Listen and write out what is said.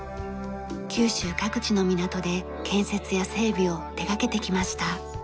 九州各地の港で建設や整備を手がけてきました。